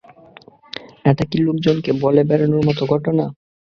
এটা কি লোকজনকে বলে বেড়ানোর মতো ঘটনা?